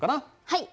はい。